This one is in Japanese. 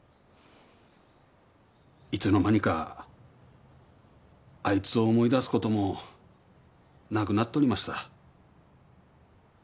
いつの間にかあいつを思い出すこともなくなっとりました。